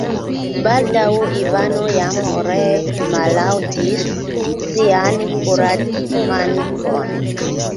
Baldaŭ Ivano jam ree mallaŭdis sian kuraĝmankon.